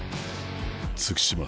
月島。